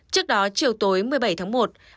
trước đó chiều tối một mươi bảy tháng một